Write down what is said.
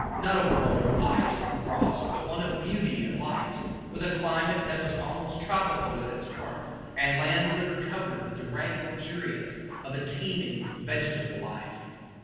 not a world of ice and frost, but one of beauty and light, with a climate that was almost tropical in its warmth, and lands that were covered with the rank luxuriance of a teeming vegetable life.